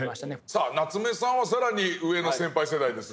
さあ夏目さんは更に上の先輩世代ですが。